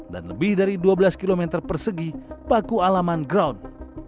dan lebih dari dua belas km persegi paku alaman ground